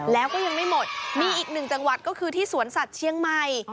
แล้วก็ยังไม่หมดมีอีกหนึ่งจังหวัดก็คือที่สวนสัตว์เชียงใหม่